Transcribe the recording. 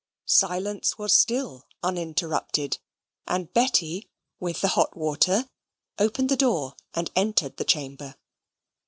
Silence was still uninterrupted; and Betty, with the hot water, opened the door and entered the chamber.